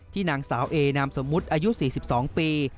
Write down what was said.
นางสาวเอนามสมมุติอายุ๔๒ปี